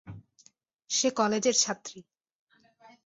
সে কলেজের ছাত্রী।